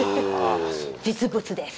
実物です。